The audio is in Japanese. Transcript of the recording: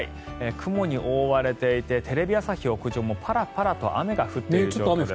雲に覆われていてテレビ朝日屋上もパラパラと雨が降っている状況です。